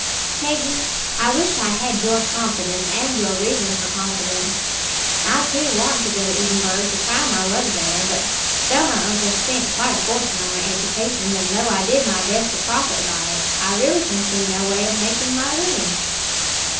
"Peggy, I wish I had your confidence and your reason for confidence. I, too, want to go to Edinburgh to try my luck there; but though my uncle spent quite a fortune on my education, and though I did my best to profit by it, I really can see no way of making my living."